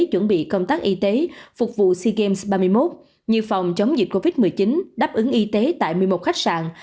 chuẩn bị công tác y tế phục vụ sea games ba mươi một như phòng chống dịch covid một mươi chín đáp ứng y tế tại một mươi một khách sạn